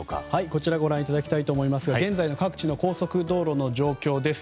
こちらご覧いただきたいと思いますが現在の各地の高速道路の状況です。